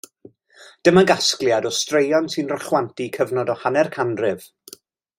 Dyma gasgliad o straeon sy'n rhychwantu cyfnod o hanner canrif.